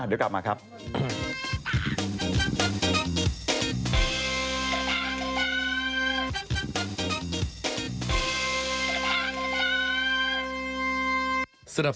เดี๋ยวกลับมาครับ